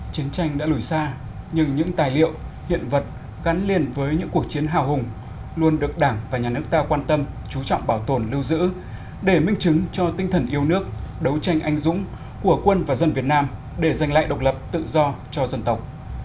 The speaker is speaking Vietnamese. chiến tranh đã lùi xa nhưng những tài liệu hiện vật gắn liền với những cuộc chiến hào hùng luôn được đảng và nhà nước ta quan tâm chú trọng bảo tồn lưu giữ để minh chứng cho tinh thần yêu nước đấu tranh anh dũng của quân và dân việt nam để giành lại độc lập tự do cho dân tộc